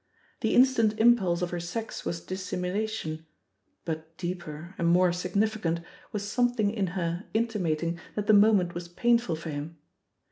The instant impulse of her sex was dis simulation ; but deeper, and more significant, was something in her intimating that the moment was painful for him.